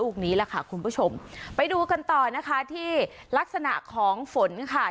ลูกนี้แหละค่ะคุณผู้ชมไปดูกันต่อนะคะที่ลักษณะของฝนค่ะ